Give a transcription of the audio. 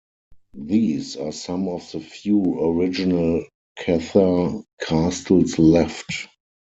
These are some of the few original Cathar castles left.